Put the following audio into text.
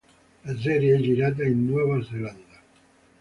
La serie è girata in Nuova Zelanda.